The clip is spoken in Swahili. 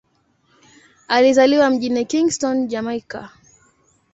Alizaliwa mjini Kingston, Jamaika.